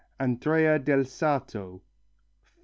Andrea del Sarto. 4.